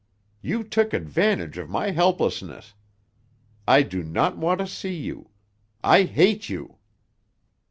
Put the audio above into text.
You took advantage of my helplessness. I do not want to see you. I hate you!"